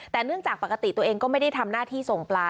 แต่เนื่องจากปกติตัวเองก็ไม่ได้ทำหน้าที่ส่งปลา